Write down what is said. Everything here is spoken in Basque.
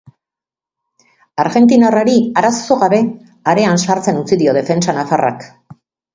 Argentinarrari arazo gabe arean sartzen utzi dio defentsa nafarrak.